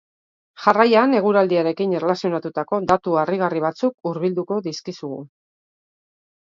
Jarraian, eguraldiarekin erlazionatutako datu harrigarri batzuk hurbilduko dizkizugu.